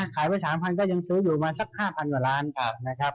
ขายไว้๓๐๐ก็ยังซื้ออยู่มาสัก๕๐๐กว่าล้านนะครับ